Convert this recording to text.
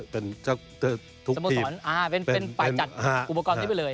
อ๋อเป็นไฟจัดอุปกรณ์นี้ไปเลย